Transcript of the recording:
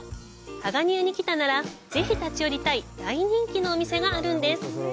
ハガニアに来たならぜひ立ち寄りたい大人気のお店があるんです！